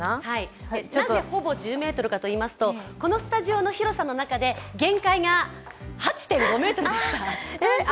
何でほぼ１０ｍかといいますとこのスタジオの広さの中で限界が８．５ｍでした。